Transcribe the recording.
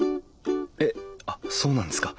えっあっそうなんですか？